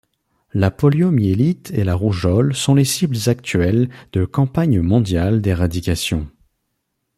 La poliomyélite et la rougeole sont les cibles actuelles de campagnes mondiales d'éradication.